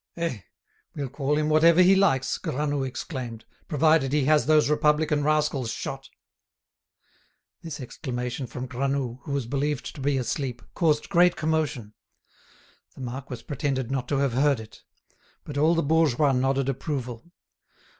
"Eh! we'll call him whatever he likes," Granoux exclaimed, "provided he has those Republican rascals shot!" This exclamation from Granoux, who was believed to be asleep, caused great commotion. The marquis pretended not to have heard it; but all the bourgeois nodded approval.